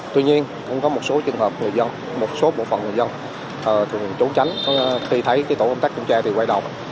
tuy nhiên cũng có một số trường hợp người dân một số bộ phận người dân thường trú tránh khi thấy tổ công tác kiểm tra thì quay đầu